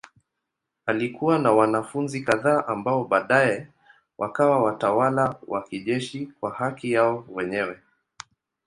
Alikuwa na wanafunzi kadhaa ambao baadaye wakawa watawala wa kijeshi kwa haki yao wenyewe.